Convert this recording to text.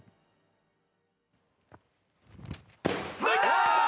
抜いたー！